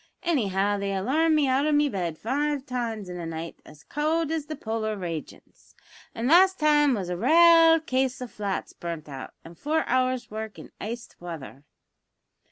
Anyhow they alarmed me out o' me bed five times in a night as cowld as the polar ragions, and the last time was a raale case o' two flats burnt out, an' four hours' work in iced wather."